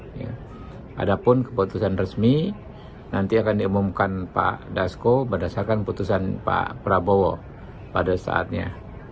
ada pun keputusan resmi nanti akan diumumkan pak dasko berdasarkan putusan pak prabowo pada saatnya